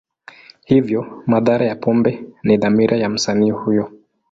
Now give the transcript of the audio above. Hivyo, madhara ya pombe ni dhamira ya msanii huyo.